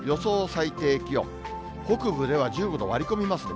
最低気温、北部では１５度を割り込みますね。